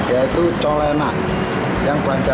yaitu colena yang berasal dari tape